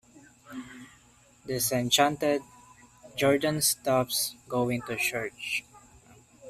Disenchanted, Jordan stops going to church.